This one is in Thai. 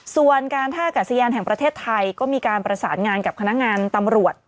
ส่วนการท่ากัศยานแห่งประเทศไทยก็มีการประสานงานกับคณะงานตำรวจ